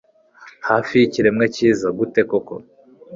Hafi yikiremwa cyiza gute koko